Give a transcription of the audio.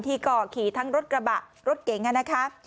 ก่อขี่ทั้งรถกระบะรถเก๋งนะคะ